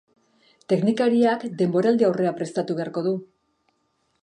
Teknikariak denboraldi-aurrea prestatu beharko du.